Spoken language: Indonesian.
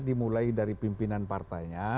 dimulai dari pimpinan partainya